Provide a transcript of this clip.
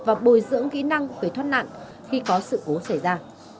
và bồi dưỡng kỹ năng của cái thoát nạn khi có sự cố xảy ra